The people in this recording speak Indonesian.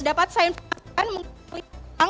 dapat saya informasikan